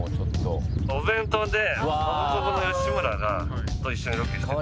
お弁当でノブコブの吉村と一緒にロケしてたら。